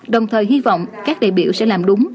đồng thời hy vọng các đại biểu sẽ làm đúng